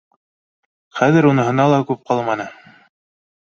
Хәҙер уныһына ла күп ҡалманы